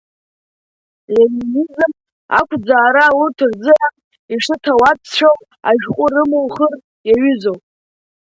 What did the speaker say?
Ленинизм ақәӡаара урҭ рзыҳәан ишыҭауадцәоу ашәҟәы рымухыр иаҩызоуп.